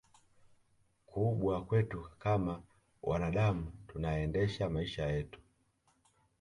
kuubwa kwetu kama wanaadamu tunayaendesha maisha yetu